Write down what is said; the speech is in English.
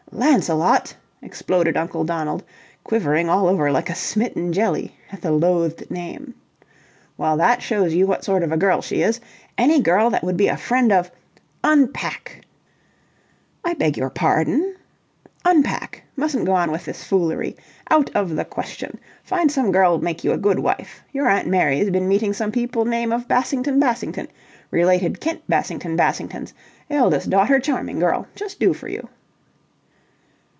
"Lancelot!" exploded Uncle Donald, quivering all over like a smitten jelly at the loathed name. "Well, that shows you what sort of a girl she is. Any girl that would be a friend of... Unpack!" "I beg your pardon?" "Unpack! Mustn't go on with this foolery. Out of the question. Find some girl make you a good wife. Your aunt Mary's been meeting some people name of Bassington Bassington, related Kent Bassington Bassingtons... eldest daughter charming girl, just do for you."